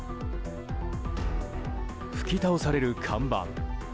吹き倒される看板。